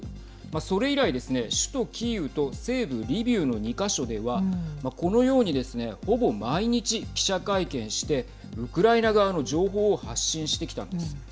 それ以来ですね、首都キーウと西部リビウの２か所ではこのようにですね、ほぼ毎日記者会見してウクライナ側の情報を発信してきたんです。